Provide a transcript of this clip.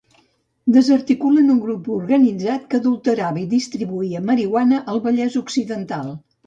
Desarticulen un grup organitzat que adulterava i distribuïa marihuana al Vallès Occidental.